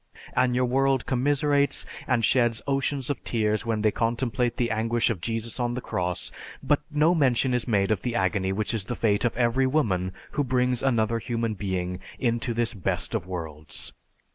And your world commiserates and sheds oceans of tears when they contemplate the anguish of Jesus on the cross; but no mention is made of the agony which is the fate of every woman who brings another human being into this 'best of worlds.'"